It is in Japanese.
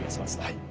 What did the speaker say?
はい。